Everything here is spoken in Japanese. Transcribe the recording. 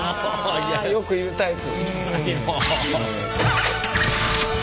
あよくいるタイプ！